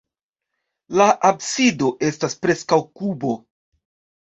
La absido estas preskaŭ kubo.